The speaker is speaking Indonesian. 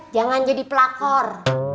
jangan jadi pelakor